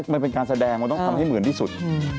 มันเป็นการแสดงมันต้องทำให้เหมือนที่สุด